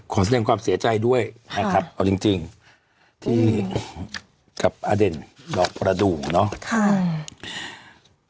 ขอแสดงความเสียใจด้วยนะครับเอาจริงที่กับอเด่นดอกประดูกเนาะ